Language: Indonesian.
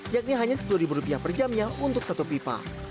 yakni hanya sepuluh rupiah per jamnya untuk satu pipa